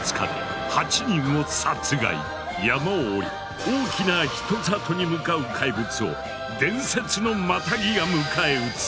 僅か山を下り大きな人里に向かう怪物を伝説のマタギが迎え撃つ。